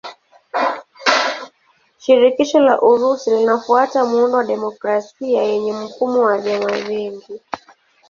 Shirikisho la Urusi linafuata muundo wa demokrasia yenye mfumo wa vyama vingi.